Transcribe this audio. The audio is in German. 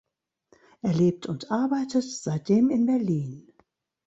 Er lebt und arbeitet seitdem in Berlin.